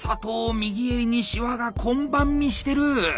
右襟にシワがこんばんみしてる！